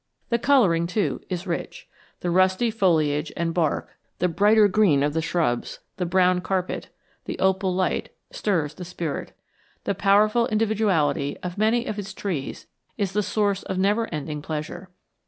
The coloring, too, is rich. The rusty foliage and bark, the brighter green of the shrubs, the brown carpet, the opal light, stirs the spirit. The powerful individuality of many of its trees is the source of never ending pleasure.